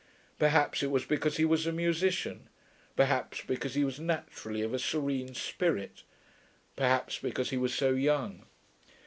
Perhaps it was because he was a musician; perhaps because he was naturally of a serene spirit; perhaps because he was so young.